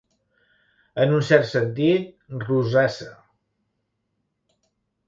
En un cert sentit, rosassa.